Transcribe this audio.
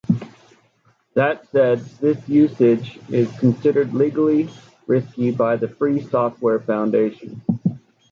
That said, this usage is considered legally risky by the Free Software Foundation.